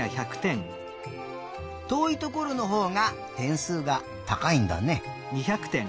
とおいところのほうがてんすうがたかいんだね。